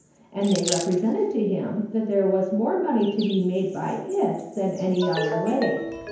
and they represented to him that there was more money to be made by it than in any other way.